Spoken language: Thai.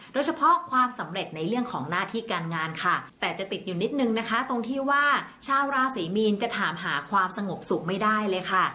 โดยเฉพาะความสำเร็จในเรื่องของหน้าที่การงานค่ะแต่จะติดอยู่นิดนึงนะคะตรงที่ว่าชาวราศรีมีนจะถามหาความสงบสุขไม่ได้เลยค่ะ